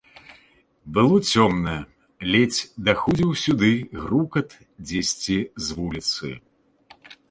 Было цёмна, ледзь даходзіў сюды грукат дзесьці з вуліцы.